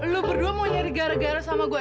lu berdua mau nyari gara gara sama gue